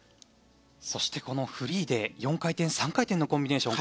そしてこのフリーで４回転、３回転のコンビネーション